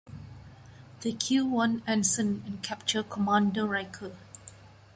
They kill one ensign and capture Commander Riker.